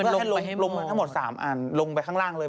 ลงมือทั้งหมด๓อันลงไปข้างล่างเลย